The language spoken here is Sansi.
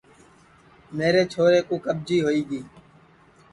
میرے چھورے کُو کٻجی ہوئی گی